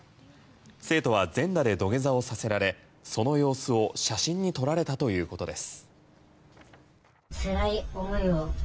生徒は全裸で土下座をさせられその様子を写真に撮られたということです。